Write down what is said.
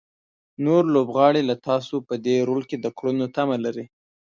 نور لوبغاړي له تاسو په دې رول کې د کړنو تمه لري.